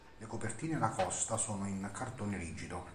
Le copertine e la costa sono in cartone rigido.